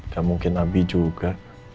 gak mungkin abi juga